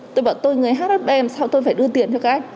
tôi bảo tôi người hhb sao tôi phải đưa tiền cho các anh